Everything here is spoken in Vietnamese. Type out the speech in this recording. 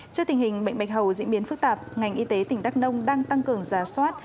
trước tình hình bệnh bạch hầu diễn biến phức tạp ngành y tế tỉnh đắk nông đang tăng cường giả soát